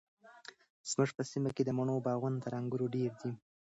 زموږ په سیمه کې د مڼو باغونه تر انګورو ډیر دي.